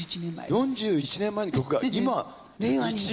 ４１年前の曲が今１位。